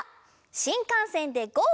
「新幹線でゴー！